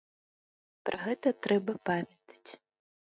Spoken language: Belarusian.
Пра гэта трэба памятаць!